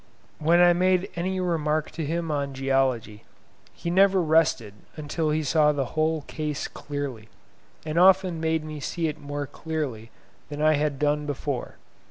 When I made any remark to him on Geology, he never rested until he saw the whole case clearly, and often made me see it more clearly than I had done before.